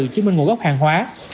hồ chí minh nguồn gốc hàng hóa